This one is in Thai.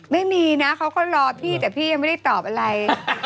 ไม่มีนะเขาก็รอพี่แต่พี่ยังไม่ได้ตอบอะไร